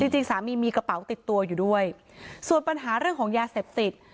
จริงจริงสามีมีกระเป๋าติดตัวอยู่ด้วยส่วนปัญหาเรื่องของยาเสพติด